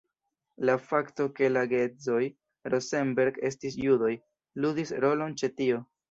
La fakto ke la geedzoj Rosenberg estis judoj, ludis rolon ĉe tio.